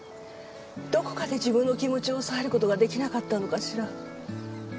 どこかで自分の気持ちを抑える事が出来なかったのかしら。